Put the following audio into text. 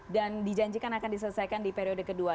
dan dijanjikan akan diselesaikan di periode kedua